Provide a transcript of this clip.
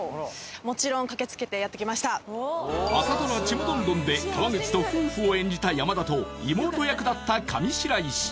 もちろんで川口と夫婦を演じた山田と妹役だった上白石